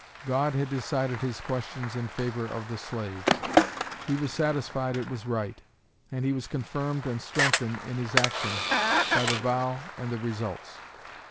God had decided his questions in favor of the slaves. He was satisfied it was right; and he was confirmed and strengthened in his action by the vow and the results.